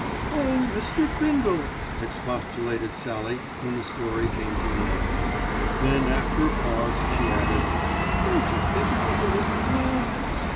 "Oh! Mr. Bindle!" expostulated Sallie when the story came to an end. Then after a pause she added, "Don't you think it was a little cruel?"